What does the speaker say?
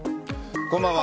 こんばんは。